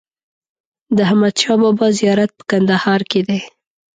د احمدشاه بابا زیارت په کندهار کې دی.